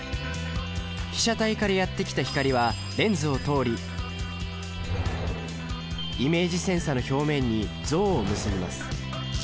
被写体からやって来た光はレンズを通りイメージセンサの表面に像を結びます。